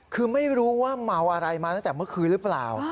คือไม่รู้ว่าเมาอะไรมาตั้งแต่เมื่อคืนหรือเปล่า